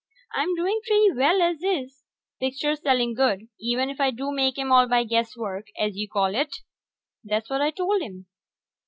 I'm doing pretty well as is ... pictures selling good, even if I do make 'em all by guesswork, as you call it." That's what I told him.